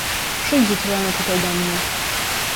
"Przyjdź jutro rano tutaj do mnie."